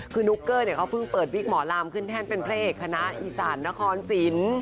คือนุ๊กเกอร์เนี่ยเขาเพิ่งเปิดวิกหมอลำขึ้นแท่นเป็นพระเอกคณะอีสานนครสิน